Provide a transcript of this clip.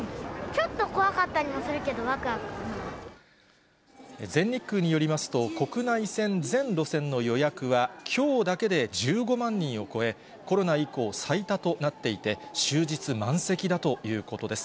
ちょっと怖かったりもするけど、全日空によりますと、国内線全路線の予約はきょうだけで１５万人を超え、コロナ以降、最多となっていて、終日満席だということです。